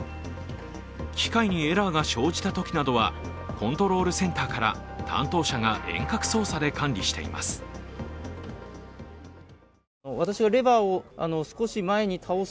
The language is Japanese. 機械にエラーが生じたときなどはコントロールセンターから担当者が遠隔操作で管理しています。